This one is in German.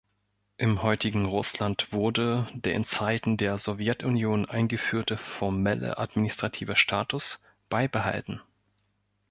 Im heutigen Russland wurde der in Zeiten der Sowjetunion eingeführte formelle administrative Status beibehalten.